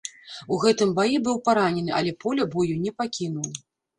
У гэтым баі быў паранены, але поля бою не пакінуў.